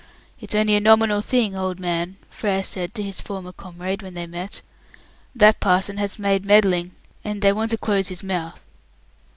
"It's only a nominal thing, old man," Frere said to his former comrade, when they met. "That parson has made meddling, and they want to close his mouth."